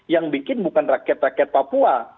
yang bikin bukan rakyat rakyat papua